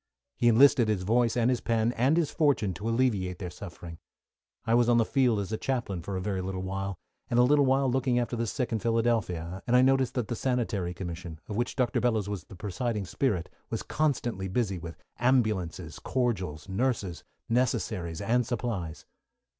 He enlisted his voice and his pen and his fortune to alleviate their suffering. I was on the field as a chaplain for a very little while, and a little while looking after the sick in Philadelphia, and I noticed that the Sanitary Commission, of which Dr. Bellows was the presiding spirit, was constantly busy with ambulances, cordials, nurses, necessaries and supplies.